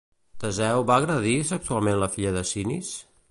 Teseu va agredir sexualment la filla de Sinis?